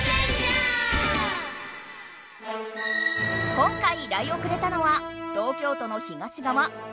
今回依頼をくれたのは東京都の東がわ